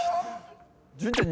潤ちゃん